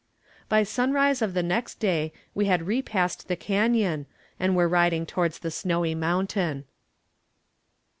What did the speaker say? By sunrise of the next day we had repassed the canon, and were riding towards the snowy mountain.